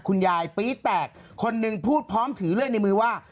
ปี๊แตกคนหนึ่งพูดพร้อมถือเลื่อยในมือว่า